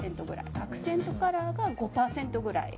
アクセントカラーが５％くらい。